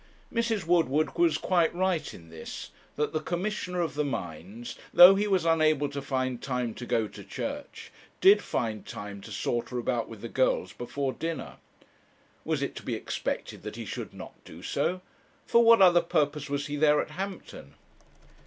Mrs. Woodward was quite right in this, that the Commissioner of the Mines, though he was unable to find time to go to church, did find time to saunter about with the girls before dinner. Was it to be expected that he should not do so? for what other purpose was he there at Hampton?